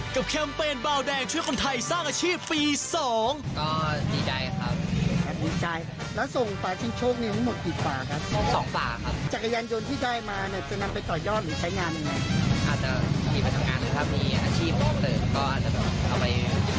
ก็อาจจะเอาไปมีแคมป์มีอะไรอย่างนี้